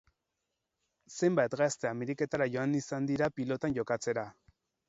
Zenbait gazte Ameriketara joan izan dira pilotan jokatzera.